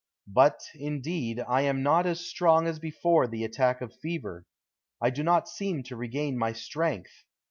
But, indeed, I am not as strong as before the attack of fever. I do not seem to regain my strength.